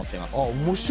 面白い！